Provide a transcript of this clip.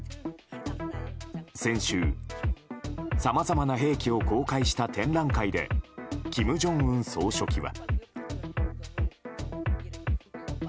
先週、さまざまな兵器を公開した展覧会で金正恩総書記は。